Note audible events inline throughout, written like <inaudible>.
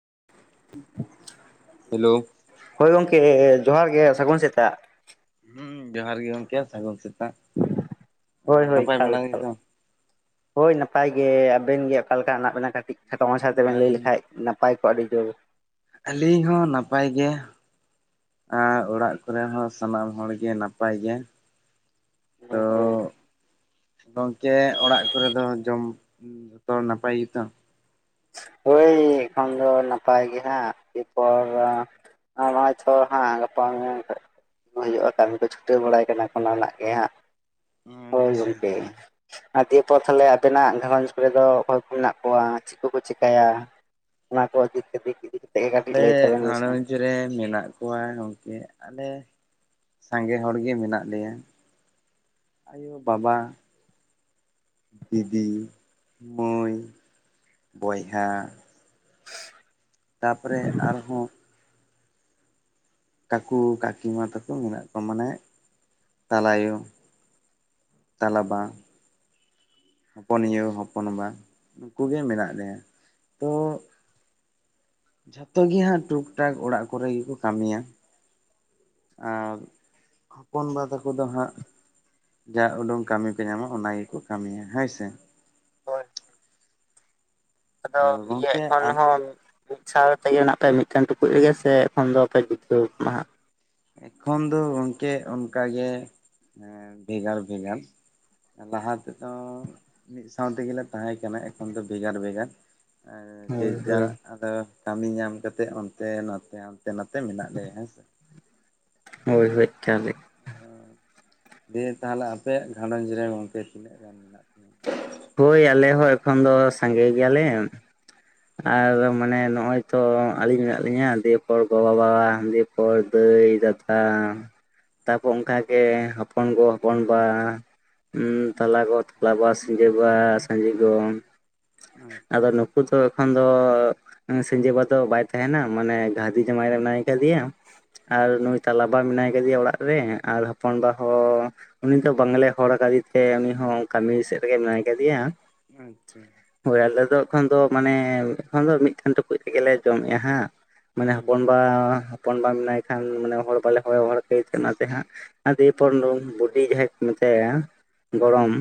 <inaudible> Hello ᱦᱳᱭ ᱜᱚᱢᱠᱮ ᱡᱚᱦᱟᱨ ᱜᱮ ᱥᱟᱹᱜᱩᱱ ᱥᱮᱛᱟᱟᱜ᱾ ᱦᱩᱸ ᱡᱚᱦᱟᱨ ᱜᱮ ᱜᱚᱝᱠᱮ ᱥᱟᱹᱜᱩᱱ ᱥᱮᱫᱼᱼ ᱦᱳᱭ ᱦᱳᱭ ᱮᱠᱟᱞ ᱮᱠᱟᱞ ᱜᱮᱛᱚ? ᱦᱳᱭ ᱱᱟᱯᱟᱭ ᱜᱮ᱾ ᱟᱵᱮᱱ ᱜᱮ ᱚᱠᱟ ᱞᱮᱠᱟ ᱦ ᱢᱮᱱᱟᱜᱱᱟᱜ ᱵᱮᱱᱟ ᱠᱟᱹᱴᱤᱡ ᱠᱷᱟᱴᱚ ᱢᱟᱪᱷᱟ ᱦᱩᱸ ᱛᱮᱵᱮᱱ ᱞᱟᱹᱭ ᱟᱹᱞᱤᱧ ᱞᱮᱠᱟᱱᱡ ᱱᱟᱯᱟᱭ ᱠᱚᱜᱼᱟ ᱟᱹᱰᱤ ᱡᱳᱨ ᱟᱹᱞᱤᱧ ᱦᱚᱸ ᱱᱟᱯᱟᱭ ᱜᱮ᱾ ᱟᱨ ᱚᱲᱟᱜ ᱠᱚᱨᱮ ᱦᱚᱸ ᱥᱟᱱᱟᱢ ᱦᱚᱲᱜᱮ ᱱᱟᱯᱟᱭ ᱜᱮᱭᱟ᱾ ᱛᱚ ᱦᱳᱭ ᱦᱳᱭ ᱜᱚᱢᱠᱮ ᱚᱲᱟᱜ ᱠᱚᱨᱮ ᱫᱚ ᱡᱚᱢ ᱡᱚᱛᱚ ᱱᱟᱯᱟᱭ ᱜᱮᱛᱚ? ᱦᱚᱭ ᱮᱠᱷᱚᱱ ᱫᱚ ᱱᱟᱯᱟᱭ ᱜᱮᱦᱟᱸᱜ ᱮᱨᱯᱚᱨ ᱟᱢᱟ ᱪᱷᱚ ᱦᱮᱸ ᱜᱟᱯᱟ ᱢᱮᱭᱟᱝ ᱠᱷᱟᱱ ᱦᱩᱭᱩᱜᱼᱟ ᱠᱟᱹᱢᱤ ᱠᱚ ᱪᱷᱩᱴᱟᱹᱣ ᱵᱟᱲᱟᱭ ᱠᱟᱱᱟ ᱠᱩ ᱚᱱᱟ ᱨᱮᱱᱟᱜ ᱜᱮ ᱦᱟᱸᱜ ᱟᱪᱪᱷᱟ ᱚᱱᱟ ᱫᱤᱭᱮ ᱯᱚᱨ ᱛᱟᱦᱞᱮ ᱟᱵᱮᱱᱟᱜ ᱜᱷᱟᱨᱚᱧᱡᱽ ᱠᱚᱨᱮ ᱫᱚ ᱚᱠᱚᱭ ᱠᱚ ᱢᱮᱱᱟᱜ ᱠᱚᱣᱟ ᱪᱮᱫ ᱠᱚ ᱠᱚ ᱪᱤᱠᱟᱹ ᱪᱤᱠᱟᱭᱟ ᱚᱱᱟ ᱠᱚ ᱱᱤᱛ ᱦᱟᱹᱵᱤᱡ ᱟᱞᱮ ᱜᱷᱟᱷᱟᱨᱚᱸᱡᱽ ᱨᱮ ᱢᱮᱱᱟᱜ ᱠᱚᱣᱟ ᱜᱚᱢᱠᱮ ᱟᱞᱮ ᱥᱟᱸᱜᱮ ᱦᱚᱲᱜᱮ ᱢᱮᱱᱟᱜ ᱞᱮᱭᱟ, ᱟᱭᱳ ᱵᱟᱵᱟ ᱫᱤᱫᱤ ᱢᱟᱹᱭ ᱵᱚᱭᱦᱟ ᱦ <unintelligible> ᱛᱟᱨᱯᱚᱨᱮ ᱟᱨᱦᱚᱸ ᱠᱟᱠᱩ ᱠᱟᱹᱠᱤ ᱢᱟ ᱛᱟᱠᱚ ᱢᱮᱱᱟᱜ ᱠᱚᱣᱟ ᱢᱟᱱᱮ ᱛᱟᱞᱟᱭᱳ ᱛᱟᱞᱟᱵᱟ ᱦᱚᱯᱚᱱᱤᱭᱚ ᱦᱚᱯᱚᱱᱵᱟ ᱱᱩᱠᱩᱜᱮ ᱢᱮᱱᱟᱜ ᱞᱮᱭᱟ ᱛᱚ ᱡᱷᱚᱛᱚ ᱜᱮ ᱦᱟᱸᱜ ᱴᱩᱠ ᱴᱟᱠ ᱚᱲᱟᱜ ᱠᱚᱨᱮ ᱜᱮᱠᱚ ᱠᱟᱹᱢᱤᱭᱟ᱾ ᱟᱨ ᱦᱚᱯᱚᱱᱵᱟ ᱛᱟᱠᱚ ᱫᱚ ᱦᱟᱸᱜ ᱡᱟ ᱩᱰᱩᱝ ᱠᱟᱹᱢᱤ ᱠᱚ ᱧᱟᱢᱟ ᱚᱱᱟ ᱜᱮᱠᱚ ᱠᱟᱹᱢᱤᱭᱟ ᱦᱮᱸᱥᱮ ᱦᱳᱭ ᱟᱫᱚ ᱛᱚ ᱤᱭᱟᱹ ᱜᱚᱝᱠᱮ ᱮᱠᱷᱚᱱ ᱟᱯ ᱦᱚᱸ ᱢᱤᱫ ᱥᱟᱶ ᱛᱮᱜᱮ ᱢᱮᱱᱟᱜ ᱯᱮ ᱢᱤᱫᱴᱮᱱ ᱴᱩᱠᱩᱡ ᱨᱮᱜᱮ ᱥᱮ ᱮᱠᱷᱚᱱ ᱫᱚ ᱟᱯᱮ ᱡᱩᱤᱛᱟᱹ ᱠᱟᱱᱟᱦᱟ ᱮᱠᱷᱚᱱ ᱫᱚ ᱜᱚᱢᱠᱮ ᱚᱱᱠᱟᱜᱮ ᱵᱷᱮᱜᱟᱨ ᱵᱷᱮᱜᱟᱨ ᱞᱟᱦᱟ ᱛᱮᱫᱚ ᱢᱤᱫ ᱥᱟᱶ ᱛᱮᱜᱮᱞᱮ ᱛᱟᱦᱮᱸ ᱠᱟᱱᱟ ᱮᱠᱷᱚᱱ ᱫᱚ ᱵᱷᱮᱜᱟᱨ ᱵᱷᱮᱜᱟᱨ ᱟᱨ ᱡᱮ ᱦᱳᱭ ᱡᱟᱨ ᱦᱳᱭ ᱟᱫᱚ ᱠᱟᱹᱢᱤ ᱧᱟᱢ ᱠᱟᱛᱮᱜ ᱚᱱᱛᱮ ᱱᱟᱛᱮ ᱦᱟᱱᱛᱮ ᱱᱟᱛᱮ ᱢᱮᱱᱟᱜ ᱞᱮᱭᱟ ᱦᱮᱸ ᱥᱮ ᱦᱳᱭ ᱦᱳᱭ ᱜᱮᱞ <inaudible> ᱫᱤᱭᱮ ᱛᱟᱦᱞᱮ ᱟᱯᱮᱭᱟᱜ ᱜᱷᱟᱸᱷᱟᱨᱚᱸᱡᱽ ᱨᱮ ᱜᱚᱢᱠᱮ ᱛᱤᱱᱟᱹᱜ ᱜᱟᱱ ᱢᱮᱱᱟᱜ ᱯᱮᱭᱟ ᱦᱳᱭ ᱟᱞᱮ ᱦᱚᱸ ᱮᱠᱷᱚᱱ ᱫᱚ ᱥᱟᱸᱜᱮ ᱜᱮᱭᱟᱞᱮ᱾ ᱟᱨ ᱢᱟᱱᱮ ᱱᱚᱜᱼᱚᱭ ᱛᱚ ᱟᱹᱞᱤᱧ ᱢᱮᱱᱟᱜ ᱞᱤᱧᱟ ᱫᱮᱯᱚᱨ ᱜᱚᱵᱟᱵᱟ ᱫᱮᱯᱚᱨ ᱫᱟᱹᱭ ᱞᱟᱹᱭ ᱫᱟᱫᱟ ᱛᱟᱨᱯᱚᱨ ᱚᱱᱠᱟᱜᱮ ᱦᱚᱯᱚᱱ ᱜᱚ ᱦᱚᱯᱚᱱ ᱵᱟ ᱛᱟᱞᱟ ᱜᱚ ᱵᱟᱯᱞᱟᱵᱟ ᱥᱤᱸᱡᱟᱹᱵᱟ ᱥᱟᱺᱡᱮ ᱜᱚᱢ ᱟᱪᱪᱷᱟ ᱟᱫᱚ ᱱᱩᱠᱩ ᱫᱚ ᱮᱠᱷᱚᱱ ᱫᱚ ᱥᱤᱸᱡᱮ ᱵᱟ ᱫᱚ ᱵᱟᱭ ᱛᱟᱦᱮᱱᱟ ᱢᱟᱱᱮ ᱜᱷᱟᱨᱫᱤ ᱡᱟᱶᱟᱭ ᱨᱮ ᱢᱮᱱᱟᱭ ᱟᱠᱟᱫᱮᱭᱟ ᱟᱨ ᱟᱪᱪᱷᱟ ᱱᱩᱭ ᱛᱟᱞᱟᱵᱟ ᱢᱮᱱᱟᱭ ᱠᱮᱫᱮᱭᱟ ᱚᱲᱟᱜ ᱨᱮ ᱟᱨ ᱦᱚᱯᱚᱱᱵᱟ ᱦᱚᱸ ᱩᱱᱤ ᱫᱚ ᱵᱟᱝᱞᱮ ᱦᱚᱲ ᱟᱠᱟᱫᱮ ᱛᱮ ᱩᱱᱤ ᱦᱚᱸ ᱠᱟᱹᱢᱤ ᱥᱮᱫ ᱨᱮᱜᱮ ᱢᱮᱱᱟᱭ ᱠᱟᱫᱮᱭᱟ᱾ ᱟᱪᱪᱷᱟ ᱦᱳᱭ ᱟᱞᱮ ᱫᱚ ᱮᱠᱷᱚᱱ ᱫᱚ ᱢᱟᱱᱮ ᱮᱠᱷᱚᱱ ᱫᱚ ᱢᱤᱫᱴᱷᱮᱱ ᱴᱩᱠᱩᱡ ᱨᱮᱜᱮᱞᱮ ᱞᱮ ᱡᱚᱢᱮᱜᱼᱟ ᱦᱟᱸᱜ ᱢᱟᱱᱮ ᱟᱪᱪᱷᱟ ᱦᱚᱯᱚᱱᱵᱟ ᱦᱚᱯᱚᱱ ᱵᱟ ᱢᱮᱱᱟᱭ ᱠᱷᱟᱱ ᱢᱟᱱᱮ ᱦᱚᱲ ᱵᱟᱞᱮ ᱦᱚᱲ ᱟᱫᱮ ᱛᱟᱦᱮ ᱚᱱᱟᱛᱮ ᱦᱟᱸᱜ ᱫᱤᱭᱟᱹᱯᱚᱨ ᱫᱚ ᱵᱩᱰᱤ ᱡᱟᱦᱟᱸ ᱥᱮ ᱜᱚᱨᱚᱢ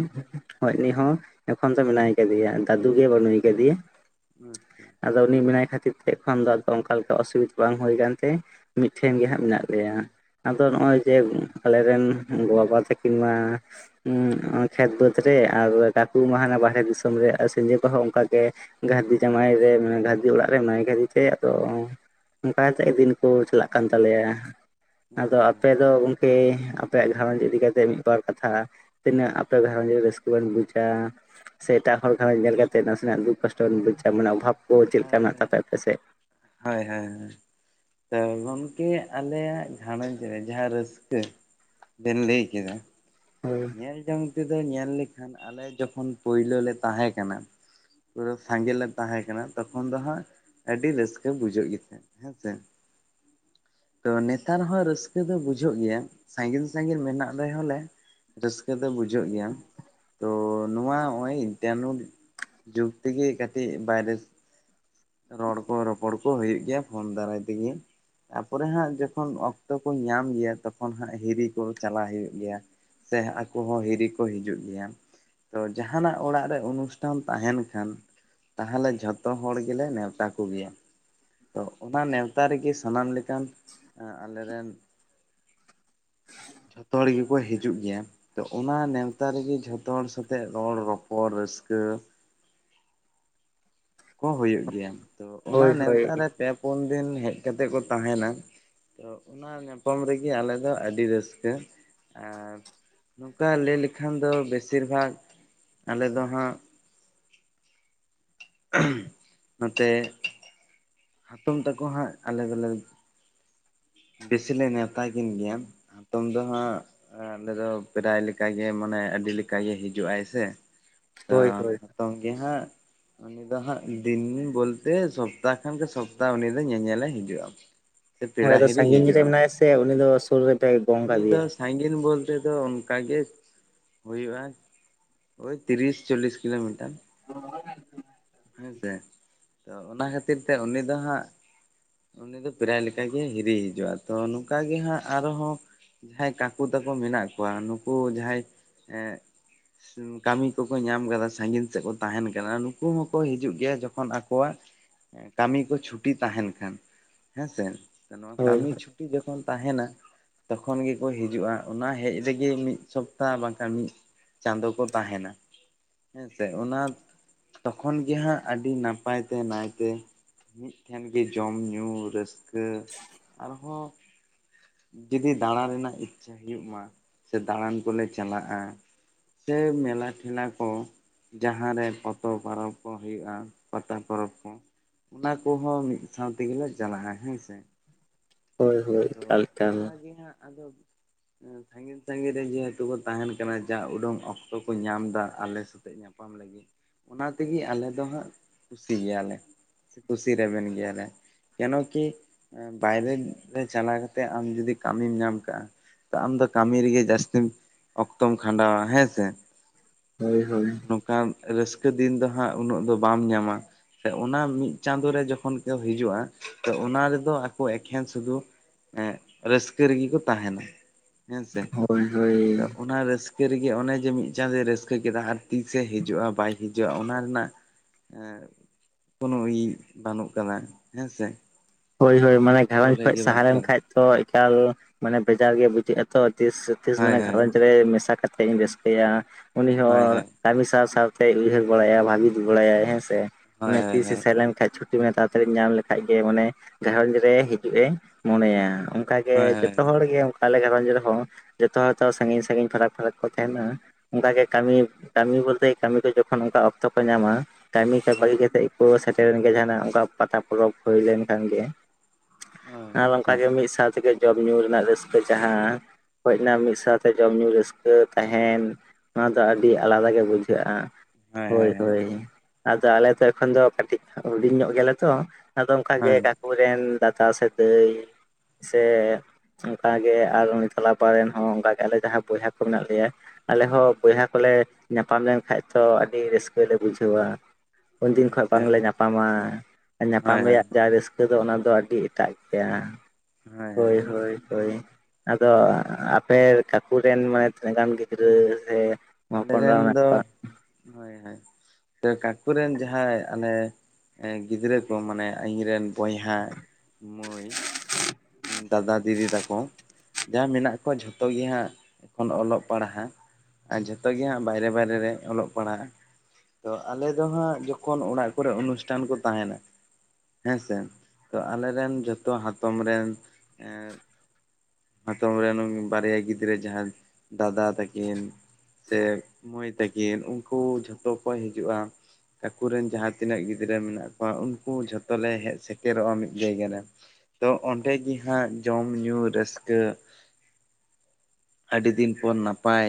ᱦᱳ ᱩᱱᱤ ᱦᱚᱸ ᱮᱠᱷᱚᱱ ᱫᱚ ᱢᱮᱱᱟᱭ ᱠᱟᱫᱮᱭᱟ ᱫᱟᱫᱩ ᱜᱮ ᱵᱟᱹᱱᱩᱭ ᱠᱟᱫᱮᱭᱟ ᱟᱪᱪᱷᱟ ᱟᱫᱚ ᱩᱱᱤ ᱢᱮᱱᱟᱭ ᱠᱷᱟᱹᱛᱤᱨ ᱛᱮ ᱮᱠᱷᱚᱱ ᱫᱚ ᱚᱱᱠᱟ ᱞᱮᱠᱟ ᱚᱥᱩᱵᱤᱫᱷᱟ ᱵᱟᱝ ᱦᱩᱭ ᱟᱠᱟᱱ ᱛᱮ ᱢᱤᱫᱴᱷᱮᱱ ᱜᱮ ᱟᱪᱪᱷᱟ ᱦᱟᱸᱜ ᱢᱮᱱᱟᱜ ᱞᱮᱭᱟ᱾ ᱟᱫᱚ ᱱᱚᱜᱼᱚᱭ ᱡᱮ ᱟᱞᱮᱨᱮᱱ ᱜᱚ ᱵᱟᱵᱟ ᱛᱟᱹᱠᱤᱱ ᱢᱟ ᱠᱷᱮᱛ ᱵᱟᱹᱫᱽ ᱨᱮ ᱟᱨ ᱠᱟᱠᱩ ᱢᱟ ᱦᱟᱱᱟ ᱵᱟᱦᱨᱮ ᱫᱤᱥᱚᱢ ᱨᱮ ᱥᱮᱸᱡᱟᱹ ᱠᱚᱦᱚ ᱦᱚᱸ ᱚᱱᱠᱟ ᱜᱮ ᱜᱷᱟᱹᱨᱫᱤ ᱡᱟᱶᱟᱭ ᱨᱮ ᱵᱩᱰᱤ ᱚᱲᱟᱜ ᱨᱮ ᱢᱮᱱᱟᱭ ᱠᱟᱫᱮ ᱛᱮ ᱟᱫᱚ ᱚᱱᱠᱟ ᱠᱟᱛᱮᱫ ᱜᱮ ᱫᱤᱱ ᱠᱚ ᱪᱟᱞᱟᱜ ᱠᱟᱱ ᱛᱟᱞᱮᱭᱟ ᱾ ᱟᱪᱪᱷᱟ ᱟᱫᱚ ᱟᱪᱪᱷᱟ ᱟᱯᱮ ᱫᱚ ᱜᱚᱢᱠᱮ ᱟᱯᱮᱭᱟᱜ ᱜᱷᱟᱨᱚᱡᱽ ᱤᱫᱤ ᱠᱟᱛᱮ ᱢᱤᱫᱵᱟᱨ ᱠᱟᱛᱷᱟ ᱛᱤᱱᱟᱹᱜ ᱟᱯᱮ ᱜᱷᱟᱨᱨᱚᱡᱽ ᱨᱮ ᱨᱮᱵᱚᱱ ᱵᱩᱡᱟ ᱥᱮ ᱮᱴᱟᱜ ᱦᱚᱲ ᱮᱴᱟᱜ ᱜᱷᱟᱨᱚᱸᱧ ᱧᱮᱞ ᱠᱟᱛᱮ ᱱᱟᱥᱮᱱᱟᱜ ᱫᱩᱠ ᱠᱚᱥᱴᱚ ᱵᱚᱱ ᱵᱩᱡᱟ ᱢᱟᱱᱮ ᱚᱵᱷᱟᱵᱽ <unintelligible> ᱢᱮᱱᱟᱜ ᱛᱟᱯᱮᱭᱟ ᱟᱯᱮ ᱥᱮᱫ <unintelligible> ᱦᱳᱭ ᱦᱳᱭ ᱜᱚᱢᱠᱮ ᱟᱞᱮᱭᱟᱜ ᱜᱷᱟᱨᱚᱸᱡᱽ ᱨᱮ ᱡᱟᱦᱟᱸ ᱨᱟᱹᱥᱠᱟᱹ ᱵᱮᱱ ᱞᱟᱹᱭ ᱠᱮᱫᱟ ᱾ ᱦᱳᱭ ᱧᱮᱞ ᱡᱚᱝ ᱛᱮᱫᱚ ᱧᱮᱞ ᱞᱮᱠᱷᱟᱱ ᱟᱞᱮ ᱡᱚᱠᱷᱚᱱ ᱯᱳᱭᱞᱳ ᱞᱮ ᱛᱟᱦᱮ ᱠᱟᱱᱟ ᱯᱩᱨᱟᱹ ᱥᱟᱸᱜᱮᱞᱮ ᱛᱟᱦᱮᱸ ᱠᱟᱱᱟ ᱛᱚᱠᱷᱚᱱ ᱫᱚ ᱦᱟᱸᱜ ᱟᱹᱰᱤ ᱨᱟᱹᱥᱠᱟᱹ ᱵᱩᱡᱷᱟᱹᱜ ᱜᱮ ᱛᱟᱦᱮᱸᱫ ᱦᱮᱸ ᱥᱮ ᱛᱚ ᱱᱮᱛᱟᱨ ᱦᱚᱸ ᱨᱟᱹᱥᱠᱟᱹ ᱫᱚ ᱵᱩᱡᱷᱟᱹᱜ ᱜᱮᱭᱟ ᱥᱟᱺᱜᱤᱧ ᱥᱟᱺᱜᱤᱧ ᱢᱮᱱᱟᱜ ᱨᱮ ᱦᱚᱸ ᱞᱮ ᱨᱟᱹᱥᱠᱟᱹ ᱫᱚ ᱵᱩᱡᱷᱟᱹᱜ ᱜᱮᱭᱟ ᱾ ᱛᱚ ᱱᱚᱣᱟ ᱱᱚᱜᱼᱚᱭ ᱡᱟᱱᱩ ᱡᱩᱜᱽ ᱛᱮᱜᱮ ᱠᱟᱹᱴᱤᱡ ᱵᱟᱭᱨᱮ ᱨᱚᱲ ᱠᱚ ᱨᱚᱯᱚᱲ ᱠᱚ ᱦᱩᱭᱩᱜ ᱜᱮᱭᱟ ᱯᱷᱳᱱ ᱫᱟᱨᱟᱭ ᱛᱮᱜᱮ ᱛᱟᱨᱯᱚᱨᱮ ᱦᱟᱸᱜ ᱡᱚᱠᱷᱚᱱ ᱚᱠᱛᱚ ᱠᱚ ᱧᱟᱢ ᱜᱮᱭᱟ ᱛᱚᱠᱷᱚᱱ ᱦᱟᱸᱜ ᱦᱤᱨᱤ ᱠᱚ ᱪᱟᱞᱟᱜ ᱦᱩᱭᱩᱜ ᱜᱮᱭᱟ ᱾ ᱥᱮ ᱟᱠᱚ ᱦᱚᱸ ᱦᱤᱨᱤ ᱠᱚ ᱦᱤᱡᱩᱜ ᱜᱮᱭᱟ ᱾ ᱛᱚ ᱡᱟᱦᱟᱸᱱᱟᱜ ᱚᱲᱟᱜ ᱨᱮ ᱚᱱᱩᱥᱴᱷᱟᱱ ᱛᱟᱦᱮᱸᱱ ᱠᱷᱟᱱ ᱛᱟᱦᱚᱞᱮ ᱡᱷᱚᱛᱚ ᱦᱚᱲᱜᱮ ᱮ ᱱᱮᱣᱛᱟ ᱠᱚᱜᱮᱭᱟ ᱛᱚ ᱚᱱᱟ ᱱᱮᱣᱛᱟᱮ ᱥᱟᱱᱟᱢ ᱞᱮᱠ ᱮᱠᱷᱟᱱ ᱟᱞᱮᱨᱮ ᱨᱮᱱ ᱡᱷᱚᱛᱚ ᱦᱚᱲ ᱜᱮᱠᱚ ᱦᱤᱡᱩᱜ ᱜᱮᱭᱟ ᱛᱚ ᱚᱱᱟ ᱱᱮᱣᱛᱟ ᱨᱮᱜᱮ ᱡᱷᱚᱛᱚ ᱦᱚᱲ ᱥᱟᱛᱮᱜ ᱨᱚᱲ ᱨᱚᱯᱚᱲ ᱨᱟᱹᱥᱠᱟᱹ ᱦᱮᱸ <unintelligible> ᱠᱚ ᱦᱩᱭᱩᱜ ᱜᱮᱭᱟ ᱛᱳ ᱚᱱᱟ ᱦᱳᱭ ᱱᱮᱣᱛᱟᱨᱮ ᱯᱮ ᱯᱩᱱ ᱫᱤᱱ ᱦᱮᱡ ᱠᱟᱛᱮᱜ ᱠᱚ ᱛᱟᱦᱮᱸᱱᱟ ᱛᱚ ᱚᱱᱟ ᱧᱟᱯᱟᱢ ᱨᱮᱜᱮ ᱟᱞᱮ ᱫᱚ ᱟᱹᱰᱤ ᱨᱟᱹᱥᱠᱟᱹ ᱟᱨ ᱱᱚᱝᱠᱟ ᱞᱟᱹᱭ ᱞᱮᱠᱷᱟᱱ ᱫᱚ ᱵᱮᱥᱤᱨ ᱵᱷᱟᱜ ᱟᱞᱮ ᱫᱚ ᱦᱟᱸᱜ ᱱᱚᱛᱮ ᱦᱟᱛᱚᱢ ᱛᱟᱠᱚ ᱦᱟᱸᱜ ᱟᱞᱟᱜᱽ ᱟᱞᱟᱜᱽ ᱵᱮᱥᱤ ᱞᱮ ᱱᱮᱶᱛᱟ ᱠᱤᱱ ᱜᱮᱭᱟ ᱦᱟᱛᱚᱢ ᱫᱚ ᱦᱟᱸᱜ ᱟᱞᱮ ᱫᱚ ᱯᱨᱟᱭ ᱞᱮᱠᱟᱜᱮ ᱢᱟᱱᱮ ᱟᱹᱰᱤ ᱞᱮᱠᱟᱜᱮ ᱦᱤᱡᱩᱜᱟᱭ ᱥᱮ ᱛᱚ ᱦᱳᱭ ᱦᱳᱭ ᱱᱤᱛᱚᱝ ᱜᱮ ᱦᱟᱸᱜ ᱩᱱ ᱫᱚᱚ ᱦᱟᱸᱜ ᱫᱤᱱ ᱵᱚᱞᱛᱮ ᱥᱚᱯᱛᱟᱦ ᱠᱷᱚᱱᱜᱮ ᱥᱚᱯᱛᱟᱦᱚ ᱩᱱ ᱫᱚ ᱧᱮᱧᱮᱞᱮ ᱦᱤᱡᱩᱜᱼᱟ ᱥᱮ ᱦᱳᱭ ᱯᱤᱲᱟ - ᱟᱫᱚ ᱥᱟᱺᱜᱤᱧ ᱨᱮ ᱢᱮᱱᱟᱭᱟ ᱥᱮ ᱩᱱᱤ ᱫᱚ ᱥᱩᱨ ᱨᱮ ᱩᱱᱤ ᱫᱚ ᱥᱟᱺᱜᱤᱧ ᱵᱚᱞᱛᱮ ᱫᱚ ᱚᱱᱠᱟᱜ ᱜᱮ ᱦᱩᱭᱩᱜᱼᱟ ᱳᱭ ᱛᱤᱨᱤᱥ ᱪᱚᱞᱤᱥ ᱠᱤᱞᱳᱢᱤᱴᱟᱨ ᱦ <inaudible> ᱦᱮᱸ ᱥᱮᱮ ᱛᱚ ᱚᱱᱟ ᱠᱷᱟᱹᱛᱤᱨ ᱛᱮ ᱩᱱᱤ ᱫᱚ ᱦᱟᱸᱜ ᱩᱱᱤ ᱫᱚ ᱯᱨᱟᱭ ᱞᱮᱠᱟᱜᱮ ᱦᱤᱨᱤ ᱦᱤᱡᱩᱜᱼᱟ ᱛᱚ ᱱᱚᱝᱠᱟᱟᱜ ᱜᱮ ᱦᱟᱸᱜ ᱟᱨᱦᱚᱸ ᱡᱟᱦᱟᱸᱟᱸᱭ ᱠᱟᱠᱩ ᱛᱟᱠᱚ ᱢᱮᱱᱟᱜ ᱠᱚᱣᱟ ᱱᱩᱠᱩ ᱡᱟᱦᱟᱸᱟᱸᱭ ᱮᱸ ᱠᱟᱹᱢᱤ ᱠᱚᱠᱚ ᱧᱟᱢ ᱠᱟᱫᱟ ᱥᱟᱺᱜᱤᱧ ᱥᱮᱫ ᱠᱚ ᱛᱟᱦᱮᱸᱱ ᱠᱟᱱᱟ ᱱᱩᱠᱩ ᱦᱚᱸ ᱠᱚ ᱦᱤᱡᱩᱜ ᱜᱮᱭᱟ ᱡᱚᱠᱷᱚᱱ ᱟᱠᱚᱣᱟᱜ ᱠᱟᱹᱢᱤ ᱠᱚ ᱪᱷᱩᱴᱤ ᱛᱟᱦᱮᱸᱱ ᱠᱷᱟᱱ ᱦᱮᱸᱥᱮ ᱱᱚᱣᱟ ᱦᱳᱭ ᱠᱟᱹᱢᱤ ᱪᱷᱩᱴᱤ ᱡᱚᱠᱷᱚᱱ ᱛᱟᱦᱮᱸᱱᱟ ᱛᱚᱠᱷᱚᱱ ᱜᱮᱠᱚ ᱦᱤᱡᱩᱜᱼᱟ ᱚᱱᱟ ᱦᱮᱡ ᱨᱮᱜᱮ ᱢᱤᱫ ᱥᱚᱯᱛᱟᱟᱦ ᱵᱟᱝᱠᱷᱟᱱ ᱢᱤᱫ ᱪᱟᱸᱫᱚᱳ ᱠᱚ ᱛᱟᱦᱮᱸᱱᱟ ᱦᱮᱸᱥᱮ ᱚᱱᱟ ᱛᱚᱠᱷᱚᱱ ᱜᱮ ᱦᱟᱸᱜ ᱟᱹᱰᱤ ᱱᱟᱯᱟᱭ ᱛᱮ ᱱᱟᱭᱛᱮ ᱢᱤᱫ ᱴᱷᱮᱱ ᱜᱮ ᱡᱚᱢ ᱧᱩᱩ ᱨᱟᱹᱥᱠᱟᱹ ᱟᱨᱦᱚᱸ ᱡᱩᱫᱤ ᱫᱟᱬᱟ ᱨᱮᱱᱟᱜ ᱤᱪᱪᱷᱷᱟ ᱦᱩᱭᱩᱜ ᱢᱟ ᱥᱮ ᱫᱟᱬᱟᱱ ᱠᱚᱞᱮ ᱪᱟᱞᱟᱜᱼᱟ ᱥᱮ ᱢᱮᱞᱟ ᱴᱷᱮᱞᱟ ᱠᱚ ᱡᱟᱦᱟᱸ ᱨᱮ ᱯᱚᱛᱚᱵ ᱯᱚᱨᱚᱵ ᱠᱚ ᱦᱩᱭᱩᱜᱼᱟ ᱯᱟᱛᱟ ᱯᱚᱨᱚᱵᱽ ᱠᱚ ᱾ ᱚᱱᱟ ᱠᱚᱦᱚᱸ ᱢᱤᱫ ᱥᱟᱶ ᱛᱮᱜᱮᱞᱮ ᱪᱟᱞᱟᱜᱼᱟ ᱦᱮᱸ ᱥᱮ ᱾ ᱦᱳᱭ ᱦᱳᱭ ᱮᱠᱟᱞ ᱮᱠᱟᱞ ᱜᱮ ᱦᱟᱸᱜ ᱟᱫᱚ ᱥᱟᱺᱜᱤᱧ ᱥᱟᱺᱜᱤᱧ ᱨᱮ ᱡᱮᱦᱮᱛᱩ ᱠᱚ ᱛᱟᱦᱮᱸᱱ ᱠᱟᱱᱟ ᱡᱟ ᱩᱰᱩᱝ ᱚᱠᱛᱚ ᱠᱚ ᱧᱟᱢ ᱮᱫᱟ ᱟᱞᱮ ᱥᱟᱛᱮᱜ ᱧᱟᱯᱟᱢ ᱧᱟᱯᱟᱢ ᱞᱟᱹᱜᱤᱫ ᱚᱱᱟ ᱛᱮᱜᱮ ᱟᱞᱮ ᱫᱚ ᱦᱟᱸᱜ ᱠᱩᱥᱤ ᱜᱮᱭᱟᱞᱮ᱾ ᱠᱩᱥᱤ ᱨᱮᱵᱮᱱ ᱜᱮᱭᱟᱞᱮ ᱠᱮᱱᱚ ᱠᱤ ᱵᱟᱭᱨᱮ ᱨᱮ ᱪᱟᱞᱟᱣ ᱠᱟᱛᱮᱫ ᱟᱢ ᱡᱩᱚᱫᱤ ᱠᱟᱹᱢᱤᱢ ᱧᱟᱢ ᱠᱟᱜᱼᱟ ᱟᱢ ᱫᱚ ᱠᱟᱹᱢᱤ ᱨᱮᱜᱮ ᱡᱟᱹᱥᱛᱤ ᱚᱠᱛᱚᱢ ᱠᱷᱟᱸᱰᱟᱣᱟ ᱦᱮᱸ ᱥᱮ ᱦᱳᱭ ᱦᱳᱭ ᱱᱚᱝᱠᱟᱱ ᱨᱟᱹᱥᱠᱟᱹ ᱫᱤᱱ ᱫᱚ ᱦᱟᱸᱜ ᱩᱱᱟᱹᱜ ᱫᱚ ᱵᱟᱢ ᱧᱟᱢᱟ ᱚᱱᱟ ᱢᱤᱫ ᱪᱟᱸᱫᱳᱨᱮ ᱡᱠᱷᱚᱱ ᱠᱚ ᱦᱤᱡᱩᱜᱼᱟ ᱚᱱᱟ ᱨᱮᱫᱚ ᱟᱠᱚ ᱮᱠᱷᱮᱱ ᱥᱩᱫᱷᱩ ᱮ ᱨᱟᱹᱥᱠᱟᱹ ᱨᱮᱜᱮ ᱠᱚ ᱛᱟᱦᱮᱸᱱᱟ ᱦᱮᱸᱥᱮ ᱦᱳᱭ ᱦᱳᱭ ᱛᱚ ᱚᱱᱟ ᱨᱟᱹᱥᱠᱟᱹ ᱨᱟᱹᱥᱠᱟᱹ ᱨᱮᱜᱮ ᱚᱱᱮ ᱡᱮ ᱢᱤᱫ ᱪᱟᱸᱫᱚᱭ ᱨᱟᱹᱥᱠᱟᱹ ᱠᱮᱫᱟ ᱟᱨ ᱛᱤᱥᱮ ᱦᱤᱡᱩᱜᱼᱟ ᱵᱟᱭ ᱦᱤᱡᱩᱜᱼᱟ ᱚᱱᱟ ᱨᱮᱱᱟᱜ ᱠᱳᱱᱳ ᱵᱟᱹᱱᱩᱜ ᱟᱠᱟᱫᱟ ᱦᱮᱸᱥᱮ ᱦᱳᱭ ᱦᱳᱭ ᱢᱟᱱᱮ ᱜᱷᱟᱨᱚᱸᱡᱽ ᱥᱚᱞᱦᱮ ᱠᱷᱚᱡ ᱜᱮ ᱥᱟᱦᱟ ᱵᱟᱹᱱᱩᱜ ᱞᱮᱱ ᱠᱟᱫᱟ ᱠᱷᱟᱱᱡ ᱛᱚ ᱮᱠᱟᱞ ᱢᱟᱱᱮ ᱵᱷᱮᱡᱟᱨ ᱜᱮ ᱵᱩᱡᱷᱟᱹᱜ ᱟ ᱛᱚ ᱛᱤᱥ ᱛᱤᱥ ᱦᱳᱭ ᱢᱟᱱᱮ ᱜᱷᱟᱨᱚᱸᱧᱡᱽ ᱨᱮ ᱢᱮᱥᱟ ᱠᱟᱛᱮᱫ ᱤᱧ ᱨᱟᱹᱥᱠᱟᱹᱭᱟ ᱩᱱᱤ ᱦᱳᱭ ᱦᱳᱭ ᱦᱚᱸ ᱠᱟᱹᱢᱤ ᱥᱟᱶ ᱥᱟᱶ ᱛᱮ ᱩᱭᱦᱟᱹᱨ ᱵᱟᱲᱟᱭᱟ ᱵᱷᱟᱹᱵᱤᱛ ᱵᱟᱲᱟᱭ ᱦᱮᱸᱥᱮ ᱚᱱᱟ ᱦᱳᱭ ᱦᱳᱭ ᱛᱤᱥᱮ ᱥᱮᱱ ᱞᱮᱱ ᱠᱷᱟᱡ ᱪᱩᱴᱤ ᱢᱮ ᱛᱟᱲᱟᱛᱟᱲᱤ ᱧᱟᱢ ᱞᱮᱠᱷᱟᱡ ᱜᱮ ᱢᱟᱱᱮ ᱜᱷᱟᱨᱚᱸᱧᱡᱽ ᱨᱮ ᱦᱤᱡᱩᱜ ᱮ ᱢᱚᱱᱮᱭᱟ᱾ ᱚᱱᱠᱟ ᱜᱮ ᱦᱳᱭ ᱦᱳᱭ ᱡᱚᱛᱚ ᱦᱚᱲ ᱜᱮ ᱚᱱᱠᱟ ᱟᱞᱮ ᱜᱷᱟᱨᱚᱸᱡᱽ ᱨᱮᱦᱚᱸ ᱡᱚᱛᱚ ᱦᱚᱭ ᱛᱚ ᱥᱟᱺᱜᱤᱧ ᱥᱟᱺᱜᱤᱧ ᱯᱷᱟᱨᱟᱠ ᱯᱷᱟᱨᱟᱠ ᱠᱚ ᱛᱟᱦᱮᱱᱟ ᱚᱱᱠᱟ ᱜᱮ ᱠᱟᱹᱢᱤ ᱠᱟᱹᱢᱤ ᱵᱚᱞᱛᱮ ᱠᱟᱹᱢᱤ ᱠᱚ ᱡᱚᱠᱷᱚᱱ ᱚᱱᱠᱟ ᱚᱠᱛᱚ ᱠᱚ ᱧᱟᱢᱟ, ᱠᱟᱹᱢᱤ ᱠᱟ ᱦᱳᱭ ᱦᱳᱭ ᱦᱳᱭ ᱵᱟᱹᱜᱤ ᱠᱟᱛᱮᱫ ᱠᱚ ᱥᱮᱴᱮᱨᱮᱱ ᱜᱮᱭᱟ ᱡᱟᱦᱟᱱᱟᱜ ᱚᱱᱠᱟ ᱯᱟᱛᱟ ᱯᱚᱨᱚᱵᱽ ᱦᱩᱭ ᱞᱮᱱᱠᱷᱟᱱ ᱜᱮ ᱦᱳᱭ ᱟᱨ ᱟᱪᱪᱷᱟ ᱚᱱᱠᱟᱜᱮ ᱢᱤᱫ ᱥᱟᱶ ᱛᱮᱜᱮ ᱡᱚᱢᱼ ᱧᱩᱩ ᱨᱮᱱᱟᱜ ᱨᱟᱹᱥᱠᱟᱹ ᱡᱟᱦᱟᱸ ᱦᱩᱡ ᱮᱱᱟ ᱢᱤᱫ ᱥᱟᱶᱛᱮ ᱡᱚᱢ ᱧᱩ ᱨᱟᱹᱥᱠᱟᱹ ᱛᱟᱦᱮᱱ ᱱᱚᱣᱟ ᱫᱚ ᱟᱹᱰᱤ ᱟᱞᱟᱫᱟ ᱜᱮ ᱵᱩᱡᱷᱟᱹᱜᱼᱟ᱾ ᱦᱳᱭ ᱦᱳᱭ ᱟᱫᱚ ᱟᱞᱮ ᱫᱚ ᱮᱠᱷᱚᱱ ᱫᱚ ᱠᱟᱹᱴᱤᱡ ᱦᱩᱰᱤᱧ ᱧᱚᱜ ᱜᱮᱭᱟᱞᱮ ᱛᱚ ᱟᱫᱚ ᱚᱱᱠᱟᱱ ᱜᱮ ᱦᱳᱭ ᱦᱳᱭ ᱮᱱ ᱫᱟᱫᱟ ᱥᱟᱹᱜᱟᱹᱭ ᱥᱮ ᱚᱱᱠᱟᱜᱮ ᱟᱨ ᱩᱱᱤ ᱛᱟᱞᱟᱯᱟ ᱨᱮᱱ ᱦᱚᱸ ᱚᱱᱠᱟᱜᱮ ᱟᱞᱮ ᱡᱟᱦᱟᱸᱭ ᱵᱚᱭᱦᱟ ᱠᱚ ᱢᱮᱱᱟᱜ ᱞᱮᱭᱟ ᱟᱞᱮᱦᱚᱸ ᱵᱚᱭᱦᱟ ᱠᱚᱞᱮ ᱧᱟᱯᱟᱢ ᱞᱮᱱᱠᱷᱟᱡ ᱛᱚ ᱟᱹᱰᱤ ᱨᱟᱹᱥᱠᱟᱹᱞᱮ ᱵᱩᱡᱷᱟᱹᱣᱟ᱾ ᱩᱱᱫᱤᱱ ᱠᱷᱚᱱ ᱟᱪᱪᱷᱟ ᱵᱟᱝᱞᱮ ᱧᱟᱯᱟᱢᱟ ᱟᱨ ᱧᱟᱯᱟᱢ ᱦᱳᱭ ᱦᱳᱭ ᱨᱮᱭᱟᱜ ᱡᱟ ᱨᱟᱹᱥᱠᱟᱹ ᱨᱟᱹᱥᱠᱟᱹ ᱫᱚ ᱚᱱᱟᱫᱚ ᱟᱹᱰᱤ ᱮᱴᱟᱜ᱾ ᱜᱮᱭᱟ ᱦᱳᱭ ᱦᱳᱭ ᱦᱳᱭ ᱟᱫᱚ ᱦᱳᱭ ᱟᱯᱮ ᱠᱟᱠᱩ ᱴᱷᱮᱱ ᱢᱟᱱᱮ ᱛᱤᱱᱟᱹᱜ ᱜᱟᱱ ᱜᱤᱫᱽᱨᱟᱹ ᱥᱮ ᱟᱞᱮ ᱨᱮᱱ ᱦᱚᱯᱚᱱᱨᱟ ᱢᱮᱱᱟᱜ ᱫᱚ ᱠᱚᱣᱟ ᱦᱳᱭ ᱦᱳᱭ ᱠᱟᱠᱩ ᱨᱮᱱ ᱡᱟᱦᱟᱸᱭ ᱟᱞᱮ ᱜᱤᱫᱽᱨᱟᱹ ᱠᱚ ᱢᱟᱱᱮ ᱤᱧᱨᱮᱱ ᱵᱚᱭᱦᱟ ᱢᱟᱹᱭ ᱫᱟᱫᱟ ᱫᱤᱫᱤ ᱛᱟᱠᱚ ᱡᱟᱸᱦᱟ ᱢᱮᱱᱟᱜ ᱠᱚᱣᱟ ᱡᱷᱚᱛᱚ ᱜᱮᱦᱟᱸᱜ ᱮᱠᱷᱚᱱ ᱚᱞᱚᱜ ᱯᱟᱲᱦᱟᱜ ᱟᱨ ᱡᱷᱚᱛᱚ ᱜᱮ ᱦᱟᱸᱜ ᱵᱟᱭᱨᱮ ᱵᱟᱭᱨᱮ ᱨᱮ ᱚᱞᱚᱜ ᱯᱟᱲᱦᱟᱜᱼᱟ ᱛᱚ ᱟᱞᱮ ᱫᱚ ᱦᱟᱸᱜ ᱡᱚᱠᱷᱚᱱ ᱚᱲᱟᱜ ᱠᱚᱨᱮᱜ ᱚᱱᱩᱥᱴᱟᱱ ᱠᱚ ᱛᱟᱦᱮᱱᱟ ᱦᱮᱸ ᱥᱮ ᱛᱚ ᱟᱞᱮᱨᱮᱱ ᱡᱚᱛᱚ ᱦᱟᱛᱚᱢ ᱨᱮᱱ ᱮ ᱦᱟᱛᱚᱢ ᱨᱮᱱ ᱵᱟᱨᱭᱟ ᱜᱤᱫᱽᱨᱟᱹ ᱡᱟᱦᱟᱸᱭ ᱫᱟᱫᱟ ᱛᱟᱹᱠᱤᱱ ᱥᱮ ᱢᱟᱹᱭ ᱛᱟᱹᱠᱤᱱ ᱩᱱᱠᱩ ᱡᱷᱚᱛᱚ ᱠᱚ ᱦᱤᱡᱩᱜᱼᱟ᱾ ᱠᱟᱠᱩᱨᱮᱱ ᱡᱟᱦᱟᱸ ᱛᱤᱱᱟᱹᱜ ᱜᱤᱫᱽᱨᱟᱹ ᱢᱮᱱᱟᱜ ᱠᱚᱣᱟ ᱩᱱᱠᱩ ᱡᱷᱚᱛᱞᱮ ᱦᱮᱡ ᱥᱮᱴᱮᱨᱚᱜᱼᱟ ᱢᱤᱫ ᱡᱟᱭᱜᱟ ᱨᱮ ᱛᱚ ᱚᱸᱰᱮ ᱜᱮ ᱦᱟᱸᱜ ᱡᱚᱢ ᱧᱩᱩ ᱨᱟᱹᱥᱠᱟᱹ ᱟᱹᱰᱤ ᱫᱤᱱ ᱯᱚᱨ ᱱᱟᱯᱟᱭ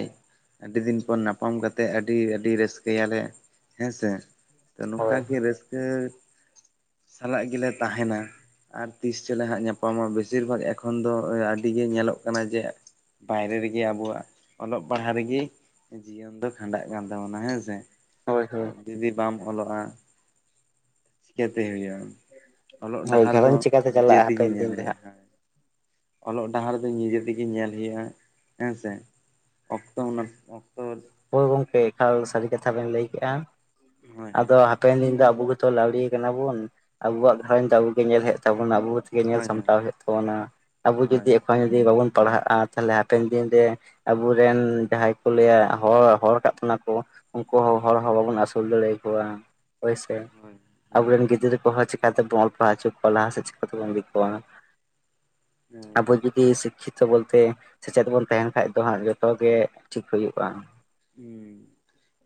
ᱟᱹᱰᱤ ᱫᱤᱱ ᱯᱚᱨ ᱱᱟᱯᱟᱢ ᱠᱟᱛᱮᱫ ᱟᱹᱰᱤ ᱟᱹᱰᱤ ᱨᱟᱹᱥᱠᱟᱹᱭᱟᱞᱮ ᱦᱮᱸᱥᱮ ᱛᱚ ᱱᱚᱝᱠᱟ ᱦᱳᱭ ᱜᱮ ᱨᱟᱹᱥᱠᱟᱹ ᱥᱟᱞᱟᱜ ᱜᱮᱞᱮ ᱛᱟᱦᱮᱱᱟ᱾ ᱟᱨ ᱛᱤᱥ ᱪᱚᱞᱮ ᱦᱟᱸᱜ ᱧᱟᱯᱟᱢᱟ ᱵᱮᱥᱤᱨ ᱵᱷᱟᱜᱽ ᱮᱠᱷᱚᱱ ᱫᱚ ᱟᱹᱰᱤᱜᱮ ᱧᱮᱞᱚᱜ ᱠᱟᱱᱟ ᱡᱮ ᱵᱟᱭᱨᱮ ᱨᱮᱜᱮ ᱟᱵᱚᱣᱟᱜ ᱚᱞᱚᱜ ᱯᱟᱲᱦᱟᱜ ᱨᱮᱜᱤ ᱡᱤᱭᱚᱱ ᱫᱚ ᱠᱷᱟᱸᱰᱟᱜ ᱠᱟᱱ ᱛᱟᱵᱚᱱᱟ ᱦᱮᱸᱥᱮ ᱦᱳᱭ ᱦᱳᱭ ᱫᱤᱫᱤ ᱵᱟᱢ ᱚᱞᱚᱜᱼᱟ ᱛᱮ ᱦᱩᱭᱩᱜᱼᱟ ᱚᱞᱚᱜ ᱦᱳᱭ ᱰᱟᱦᱟᱨ ᱫᱚ ᱜᱷᱟᱨᱚᱸᱡᱽ ᱪᱤᱠᱟᱹᱛᱮ ᱱᱤᱡᱮ ᱪᱟᱞᱟᱜᱼᱟ ᱛᱮᱜᱮ ᱦᱟᱯᱮᱱ ᱧᱮᱞ ᱫᱤᱱ ᱨᱮ ᱦᱩᱭᱩᱜᱼᱟ ᱦᱟᱸᱜ ᱦᱮ ᱚᱞᱚᱜ ᱰᱟᱦᱟᱨᱫᱚ ᱱᱤᱡᱮ ᱛᱮᱜᱮ ᱧᱮᱞ ᱦᱩᱭᱩᱜᱼᱟ ᱦᱮᱸᱥᱮ ᱚᱠᱛᱚ ᱚᱱᱟ ᱚᱠᱛᱚ ᱦᱳᱭ ᱜᱚᱝᱠᱮ ᱮᱠᱟᱞ ᱥᱟᱹᱨᱤ ᱠᱟᱛᱷᱟ ᱵᱮᱱ ᱞᱟᱹᱭ ᱠᱮᱜᱼᱟ ᱦᱳᱭ ᱟᱫᱚ ᱦᱳᱭ ᱦᱟᱯᱮᱱ ᱫᱤᱱ ᱫᱚ ᱟᱵᱚ ᱛᱚ ᱞᱟᱹᱣᱲᱤ ᱠᱟᱱᱟ ᱵᱩᱱ ᱟᱵᱚᱣᱟᱜ ᱜᱷᱟᱨᱚᱸᱡᱽ ᱟᱵᱚ ᱜᱮ ᱧᱮᱞ ᱦᱩᱭᱩᱜ ᱛᱟᱵᱚᱱᱟ ᱟᱵᱚ ᱜᱮ ᱧᱮᱞ ᱦᱳᱭ ᱦᱳᱭ ᱥᱟᱢᱴᱟᱣ ᱦᱩᱭᱩᱜ ᱛᱟᱵᱚ ᱟᱵᱚ ᱡᱩᱫᱤ ᱦᱳᱭ ᱮᱠᱷᱚᱱ ᱡᱩᱫᱤ ᱵᱟᱵᱚᱱ ᱯᱟᱲᱦᱟᱜᱼᱟ ᱛᱟᱦᱞᱮ ᱦᱟᱯᱮᱱ ᱫᱤᱱᱨᱮ ᱟᱵᱚᱨᱮᱱ ᱡᱟᱦᱟᱸᱭ ᱠᱚ ᱞᱟᱹᱭᱟ ᱦᱚᱲ ᱦᱚᱲ ᱠᱟᱜ ᱛᱟᱱᱟ ᱠᱚ ᱩᱱᱠᱩ ᱦᱚᱸ ᱦᱚᱲ ᱦᱚᱸ ᱵᱟᱵᱚᱱ ᱟᱹᱥᱩᱞ ᱫᱟᱲᱮᱭᱟᱠᱚᱣᱟ ᱦᱳᱭᱥᱮ ᱦᱳᱭ ᱦᱳᱭ ᱟᱵᱚᱨᱮᱱ ᱜᱤᱫᱽᱨᱟᱹ ᱠᱚᱦᱚᱸ ᱪᱮ ᱪᱤᱠᱟᱹ ᱛᱮᱵᱚᱱ ᱚᱞ ᱯᱟᱲᱦᱟᱣ ᱦᱚᱪᱚ ᱠᱚᱣᱟ ᱞᱟᱦᱟ ᱥᱮᱫ ᱪᱤᱠᱟ ᱛᱮᱵᱚᱱ ᱤᱫᱤ ᱠᱚᱣᱟ ᱦᱳᱭ ᱟᱵᱚ ᱡᱫᱤ ᱥᱤᱠᱠᱷᱤᱛᱚ ᱵᱚᱞᱛᱮ ᱥᱮᱪᱮᱫ ᱵᱚᱱ ᱛᱟᱦᱮᱱ ᱠᱷᱟᱡ ᱫᱚ ᱦᱟᱸᱜ ᱡᱚᱛᱚᱜ ᱜᱮ ᱴᱷᱤᱠ ᱦᱩᱭᱩᱜᱼᱟ ᱦᱩᱸ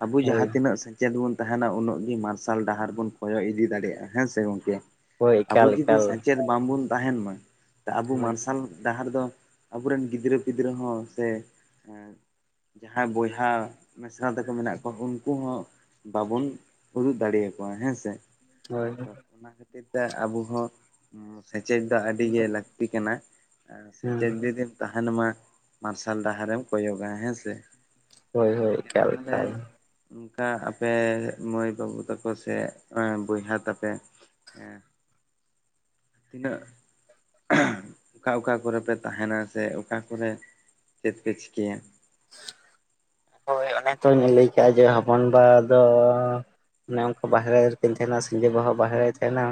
ᱟᱵᱚ ᱦᱳᱭ ᱡᱟᱦᱟᱸ ᱛᱤᱱᱟᱹᱜ ᱥᱮᱪᱮᱫ ᱵᱚᱱ ᱛᱟᱦᱮᱱᱟ ᱩᱱᱟᱹᱜ ᱜᱮ ᱢᱟᱨᱥᱟᱞ ᱰᱟᱦᱟᱨ ᱵᱚᱱ ᱠᱷᱚᱭᱚᱜ ᱤᱫᱤ ᱫᱟᱲᱮᱭᱟᱜᱼᱟ ᱦᱮᱸ ᱥᱮ ᱜᱚᱝᱠᱮ ᱦᱳᱭ ᱟᱵᱚ ᱮᱠᱟᱞ ᱡᱩᱫᱤ ᱮᱠᱟᱞ ᱥᱮᱪᱮᱫ ᱵᱟᱝᱵᱚᱱ ᱛᱟᱦᱮᱱ ᱢᱟ ᱟᱵᱚ ᱦᱳᱭ ᱢᱟᱨᱥᱟᱞ ᱰᱟᱦᱟᱨ ᱫᱚ ᱟᱵᱚᱨᱮᱱ ᱜᱤᱫᱽᱨᱟᱹ ᱯᱤᱫᱽᱨᱟᱹ ᱦᱚᱸ ᱥᱮ ᱡᱟᱦᱟᱸᱭ ᱵᱚᱭᱦᱟ ᱦᱟᱸ ᱢᱤᱫᱥᱟᱶ ᱛᱟᱠᱚ ᱢᱮᱱᱟᱜ ᱠᱚᱣᱟ ᱩᱱᱠᱩ ᱦᱚᱸ ᱵᱟᱵᱩᱱ ᱩᱫᱩᱜ ᱫᱟᱲᱮ ᱟᱠᱠᱚᱣᱟ ᱦᱮᱸᱥᱮ ᱦᱳᱭ ᱛᱚ ᱚᱱᱟ ᱠᱷᱟᱹᱛᱤᱨ ᱛᱮ ᱟᱵᱚ ᱦᱚᱸ ᱥᱮᱪᱮᱫ ᱫᱚ ᱟᱹᱰᱤ ᱜᱮ ᱞᱟᱹᱠᱛᱤ ᱠᱟᱱᱟ ᱟᱨ ᱦᱩᱸ ᱥᱮᱪᱮᱫ ᱡᱩᱫᱤᱢ ᱛᱟᱦᱮᱱ ᱢᱟ ᱢᱟᱨᱥᱟᱞ ᱰᱟᱦᱟᱨᱮᱢ ᱠᱚᱭᱚᱜᱟ ᱦᱮᱸ ᱥᱮ ᱦᱳᱭ ᱦᱳᱭ ᱜᱚᱝᱠᱮ ᱮᱠᱟᱞ ᱛᱟᱦᱚᱞᱮ ᱮᱠᱟᱞ ᱚᱱᱠᱟ ᱟᱯᱮ ᱢᱟᱹᱭ ᱵᱟᱹᱵᱩ ᱛᱟᱠᱚ ᱥᱮ ᱵᱚᱭᱦᱟ ᱛᱟᱯᱮ ᱦᱮᱸ ᱛᱤᱱᱟᱹᱜ ᱚᱠᱟ ᱚᱠᱟ ᱠᱚᱨᱮ ᱯᱮ ᱛᱟᱦᱮᱱᱟ ᱥᱮ ᱚᱠᱟ ᱠᱚᱨᱮ ᱪᱮᱫ ᱯᱮ ᱪᱤᱠᱟᱹᱭᱟ <inaudible> ᱦᱳᱭ ᱚᱱᱮ ᱛᱧ ᱞᱟᱹᱭ ᱠᱟᱜᱼᱟ ᱡᱮ ᱦᱚᱯᱚᱱᱵᱟ ᱫᱚ ᱚᱱᱮ ᱚᱱᱠᱟ ᱵᱟᱦᱨᱮ ᱨᱮᱠᱤᱱ ᱛᱟᱦᱮᱱᱟ ᱥᱤᱸᱫᱤ ᱵᱟᱦᱟ ᱵᱟᱦᱨᱮᱭ ᱛᱟᱦᱮᱱᱟ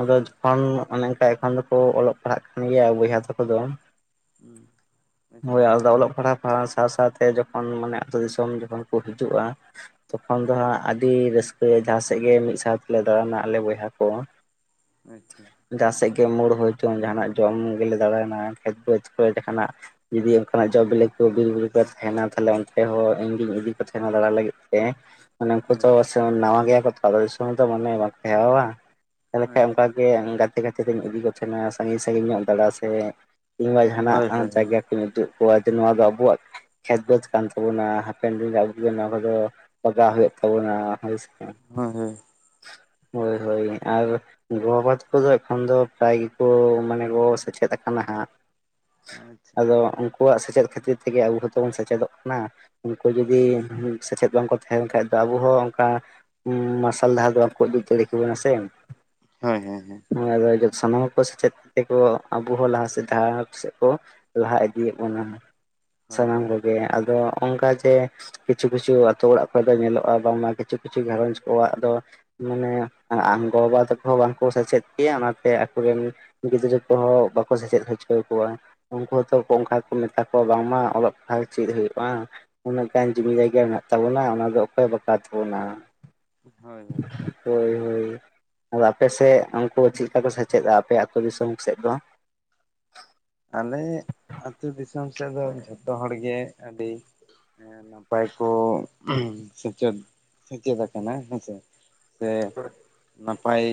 ᱟᱫᱚ ᱦᱩᱸ ᱡᱚᱠᱷᱚᱱ ᱚᱱᱮ ᱚᱱᱠᱟ ᱛᱚᱠᱷᱚᱱ ᱫᱚᱠᱚ ᱚᱞᱚᱜ ᱯᱟᱲᱦᱟᱜ ᱠᱟᱱ ᱜᱮᱭᱟ ᱵᱚᱭᱦᱟ ᱛᱟᱠᱚ ᱫᱚ ᱦᱮᱸ ᱦᱳᱭ ᱟᱞᱫᱟ ᱚᱞᱚᱜ ᱯᱟᱲᱦᱟᱜ ᱥᱟᱶ ᱥᱟᱶᱛᱮ ᱡᱚᱠᱷᱚᱱ ᱢᱟᱱᱮᱛᱳ ᱫᱤᱥᱚᱢ ᱡᱚᱠᱷᱚᱱ ᱠᱚ ᱦᱤᱡᱩᱜᱼᱟ ᱛᱚᱠᱷᱚᱱ ᱫᱚ ᱦᱟᱸᱜ ᱟᱹᱰᱤ ᱨᱟᱹᱥᱠᱟᱹ ᱨᱟᱹᱥᱠᱟᱹ ᱡᱟᱦᱟᱸ ᱥᱮᱫ ᱜᱮ ᱢᱤᱫ ᱥᱟᱶᱛᱮᱞᱮ ᱫᱟᱬᱟᱱᱟ ᱟᱞᱮ ᱵᱚᱭᱦᱟ ᱠᱚ ᱟᱪᱪᱷᱟ ᱡᱟᱦᱟᱸ ᱥᱮᱫ ᱢᱳᱲ ᱦᱩᱭ ᱦᱚᱪᱚᱝ ᱡᱟᱦᱟᱱᱟᱜ ᱡᱚᱢ ᱜᱮᱞᱮ ᱫᱟᱬᱱᱟ ᱠᱷᱮᱛ ᱵᱫᱽ ᱠᱚᱨᱮ ᱡᱟᱦᱟᱱᱟᱜ ᱡᱩᱫᱤ ᱚᱱᱠᱟᱱᱟᱜ ᱡᱚ ᱵᱤᱞᱮ ᱵᱤᱨᱵᱩᱨᱩ ᱠᱚ ᱛᱟᱦᱮᱱᱟ ᱛᱟᱦᱞᱮ ᱚᱱᱛᱮ ᱦᱚᱸ ᱤᱧᱜᱤᱧ ᱤᱫᱤ ᱠᱚ ᱛᱟᱦᱮᱱᱟ ᱫᱟᱬᱟ ᱞᱟᱹᱜᱤᱫ ᱛᱮ ᱢᱟᱱᱮ ᱩᱱᱠᱩ ᱛᱚ ᱟᱪᱪᱷᱟ ᱱᱟᱣᱟ ᱜᱮᱭᱟ ᱠᱚ ᱛᱚ ᱩᱱᱠᱩ ᱫᱚ ᱟᱹᱛᱩ ᱫᱤᱥᱚᱢ ᱨᱮᱫᱚ ᱵᱟᱝ ᱠᱚ ᱦᱮᱣᱟ ᱦᱟ ᱛᱟᱦᱚᱞᱮ ᱠᱷᱟᱱᱡ ᱚᱱᱠᱟᱜᱮ ᱜᱟᱛᱮ ᱜᱟᱛᱮ ᱛᱤᱧ ᱤᱫᱤ ᱠᱚᱪᱱᱟ ᱥᱟᱺᱜᱤᱧ ᱥᱟᱺᱜᱤᱧ ᱧᱚᱜ ᱫᱟᱬᱟ ᱥᱮ ᱠᱤᱝᱵᱟ ᱟᱪᱪᱷᱟ ᱡᱟᱦᱟᱱᱟᱜ ᱦᱳᱭ ᱦᱳᱭ ᱡᱟᱭᱜᱟ ᱠᱚᱧ ᱩᱫᱩᱜ ᱠᱚᱣᱟ ᱡᱮ ᱱᱚᱣᱟ ᱫᱚ ᱟᱵᱚᱣᱟᱜ ᱠᱷᱮᱛ ᱵᱟᱹᱫᱽ ᱠᱟᱱ ᱛᱟᱵᱚᱱᱟ ᱦᱟᱯᱮᱱ ᱫᱤᱱ ᱟᱹ ᱱᱚᱣᱟ ᱠᱚᱫᱚ ᱞᱟᱜᱟᱣ ᱦᱩᱭᱩᱜ ᱛᱟᱵᱚᱱᱟᱭ ᱦᱳᱭ ᱦᱳᱭ ᱦᱳᱭ ᱦᱳᱭ ᱦᱳᱭ ᱟᱨ ᱜᱚᱵᱟ ᱛᱟᱠᱚᱫᱚ ᱮᱠᱷᱚᱱ ᱫᱚ ᱯᱨᱟᱭ ᱜᱮᱠᱚ ᱢᱟᱱᱮ ᱜᱚ ᱥᱮᱪᱮᱫ ᱟᱠᱟᱱᱟ ᱟᱫᱚ ᱩᱱᱠᱩᱣᱟᱜ ᱥᱮᱪᱮᱫ ᱠᱷᱟᱹᱛᱤᱨ ᱛᱮ ᱛᱮᱜᱮ ᱟᱵᱚ ᱦᱚᱸᱛᱚ ᱵᱚᱱ ᱥᱮᱪᱮᱫᱚᱜ ᱠᱟᱱᱟ ᱩᱱᱠᱩ ᱡᱩᱫᱤ ᱥᱮᱪᱮᱫ ᱵᱟᱝᱠᱚ ᱛᱟᱦᱮᱸ ᱞᱮᱱ ᱠᱷᱟᱡ ᱫᱚ ᱟᱵᱚ ᱦᱚᱸ ᱚᱱᱠᱟ ᱢᱟᱨᱥᱟᱞ ᱞᱟᱦᱟᱨ ᱫᱚ ᱵᱟᱠᱚ ᱤᱫᱤ ᱦᱚ ᱫᱟᱲᱮᱠᱚ ᱠᱟᱱᱟ ᱥᱮ ᱦᱮᱸ ᱦᱮᱸ ᱦᱮᱸ ᱟᱫᱚ ᱥᱟᱱᱟᱢ ᱠᱚ ᱥᱮᱪᱮᱫ ᱛᱮᱠᱚ ᱟᱵᱚ ᱦᱚᱸ ᱞᱟᱦᱟ ᱥᱮᱫ ᱥᱮᱫ ᱠᱚ ᱞᱟᱦᱟ ᱤᱫᱤᱭᱮᱫ ᱵᱚᱱᱟ ᱦᱳᱭ ᱥᱟᱱᱟᱢ ᱦᱳᱭ ᱠᱚᱜᱮ ᱟᱫᱚ ᱚᱱᱠᱟ ᱥᱮ ᱠᱤᱪᱷᱩ ᱠᱤᱪᱷᱩ ᱟᱹᱛᱩ ᱚᱲᱟᱜ ᱠᱚᱨᱮ ᱫᱚ ᱧᱮᱞᱚᱜᱼᱟ ᱵᱟᱝᱢᱟ ᱠᱤᱪᱷᱩ ᱠᱤᱪᱷᱩ ᱜᱷᱟᱨᱚᱸᱡᱽ ᱠᱚᱣᱟᱜ ᱫᱚ ᱢᱟᱱᱮ ᱟ ᱜᱚᱼᱵᱟᱵᱟ ᱛᱟᱠᱚ ᱦᱚᱸ ᱵᱟᱝᱠᱚ ᱥᱮᱪᱮᱫ ᱯᱮᱭᱟ ᱚᱱᱟᱛᱮ ᱟᱠᱚᱨᱮᱱ ᱜᱤᱫᱽᱨᱟᱹ ᱠᱚᱦᱚᱸ ᱵᱟᱠᱚ ᱥᱮᱪᱮᱫ ᱪᱟᱹᱣ ᱠᱚᱣᱟ ᱩᱱᱠᱩ ᱦᱚᱸᱛᱚ ᱚᱱᱠᱟ ᱜᱮᱠᱚ ᱢᱮᱛᱟ ᱠᱚᱣᱟ ᱵᱟᱝᱢᱟ ᱚᱞᱚᱜ ᱯᱟᱲᱦᱟᱜ ᱪᱮᱫ ᱦᱩᱭᱩᱜᱼᱟ ᱩᱱᱟᱹᱜ ᱜᱟᱱ ᱡᱩᱢᱤᱤ ᱡᱟᱭᱜᱟ ᱢᱮᱱᱟᱜ ᱛᱟᱵᱚᱱᱟ ᱚᱱᱟ ᱫᱚ ᱚᱠᱚᱭ ᱵᱟᱠᱟ ᱛᱟᱵᱚᱱᱟ ᱦᱳᱭ ᱦᱳᱭ ᱦᱳᱭ ᱦᱳᱭ ᱟᱫᱚ ᱟᱯᱮ ᱥᱮᱫ ᱩᱱᱠᱩ ᱪᱮᱫ ᱞᱮᱠᱟ ᱠᱚ ᱥᱮᱪᱮᱫᱟ ᱟᱯᱮ ᱟᱹᱛᱩᱳ ᱫᱤᱥᱚᱢ ᱥᱮᱫ ᱫᱚ ᱟᱞᱮ ᱟᱹᱛᱩ ᱫᱤᱥᱚᱢ ᱥᱮᱫ ᱫᱚ ᱡᱷᱚᱛᱚ ᱦᱚᱲᱜᱮ ᱟᱹᱰᱤ ᱦᱮᱸ ᱱᱟᱯᱟᱭ ᱠᱚ ᱥᱮᱪᱮᱫ ᱥᱮᱪᱮᱫ ᱟᱠᱟᱱᱟ ᱦᱮᱸᱥᱮ ᱥᱮ ᱱᱟᱯᱟᱭ